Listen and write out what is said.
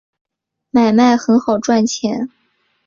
买卖很好赚钱